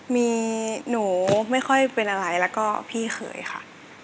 มีหนูไม่ค่อยเป็นอะไรแล้วก็พี่เขยค่ะ